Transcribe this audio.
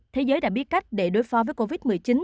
thế giới đã biết cách để đối phó với covid một mươi chín